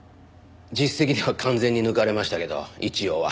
実績では完全に抜かれましたけど一応は。